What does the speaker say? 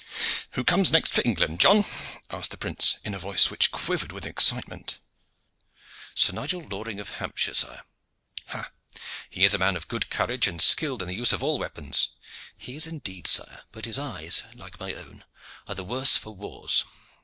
"Who comes next for England, John?" asked the prince in a voice which quivered with excitement. "Sir Nigel Loring of Hampshire, sire." "Ha! he is a man of good courage, and skilled in the use of all weapons." "He is indeed, sire. But his eyes, like my own, are the worse for wars.